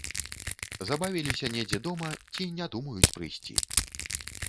Забавіліся недзе дома ці не думаюць прыйсці.